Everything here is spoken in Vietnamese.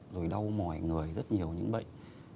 rồi đau mỏi người rất nhiều những bệnh